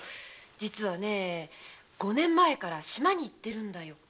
実は五年前から島に行ってるんだよ。